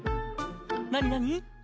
何何？